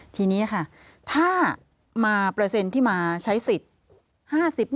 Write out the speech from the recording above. ทีนี้ค่ะถ้ามาเปอร์เซ็นต์ที่มาใช้สิทธิ์